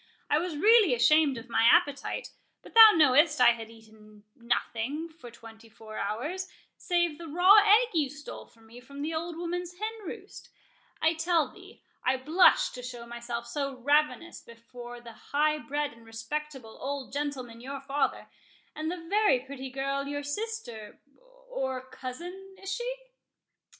I was really ashamed of my appetite; but thou knowest I had eat nothing for twenty four hours, save the raw egg you stole for me from the old woman's hen roost—I tell thee, I blushed to show myself so ravenous before that high bred and respectable old gentleman your father, and the very pretty girl your sister—or cousin, is she?"